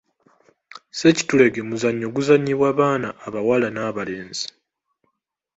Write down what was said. Ssekitulege muzannyo guzannyibwa baana abawala n'abalenzi.